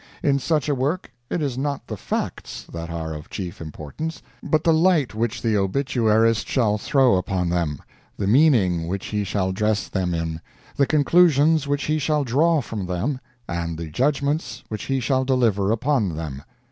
In such a work it is not the Facts that are of chief importance, but the light which the obituarist shall throw upon them, the meaning which he shall dress them in, the conclusions which he shall draw from them, and the judgments which he shall deliver upon them.